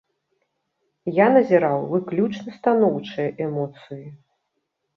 Я назіраў выключна станоўчыя эмоцыі.